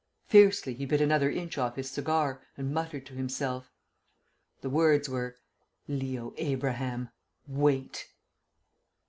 Fiercely he bit another inch off his cigar, and muttered to himself. The words were "Leo Abraham! Wait!"